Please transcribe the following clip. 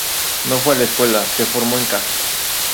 No fue a la escuela, se formó en la casa.